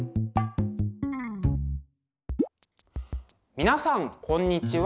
皆さんこんにちは。